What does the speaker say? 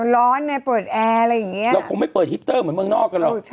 เราคงไม่เปิดหิตเตอร์เหมือนเมืองนอกหรอ